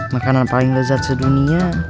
makanan paling lezat sedunia